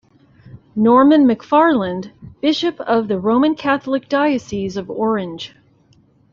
Norman McFarland, Bishop of the Roman Catholic Diocese of Orange.